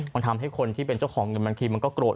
มันทำให้คนที่เป็นเจ้าของเงินบางทีมันก็โกรธ